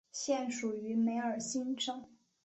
现属于梅尔辛省。